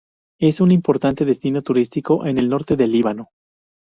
Es un importante destino turístico en el norte de Líbano.